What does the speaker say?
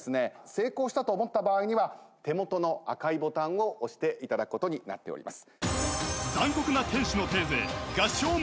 成功したと思った場合には手元の赤いボタンを押していただくことになっております。